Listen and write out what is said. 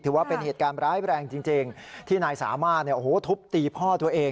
ถือว่าเป็นเหตุการณ์ร้ายแรงจริงที่นายสามารถทุบตีพ่อตัวเอง